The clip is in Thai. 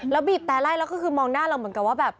แล้วบีบแปลล์ไล่แล้วก็คือมองหน้าเราเหมือนแบบ